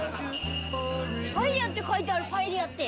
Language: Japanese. パエリアって書いてあるパエリアって。